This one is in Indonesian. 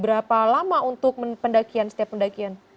berapa lama untuk pendakian setiap pendakian